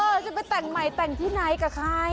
จะไปแต่งใหม่แต่งที่ไหนกับใคร